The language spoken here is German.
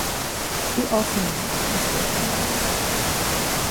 Die Offenau fließt durch den Ort.